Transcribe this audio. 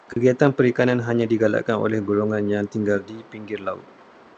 Kegiatan perikanan hanya dijalankan oleh golongan yang tinggal di pinggir laut.